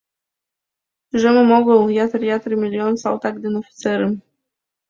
Тӱжемым огыл — ятыр-ятыр миллион салтак ден офицерым.